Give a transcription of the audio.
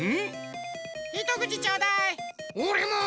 おれも。